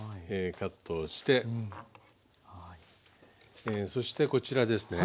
カットしてそしてこちらですね。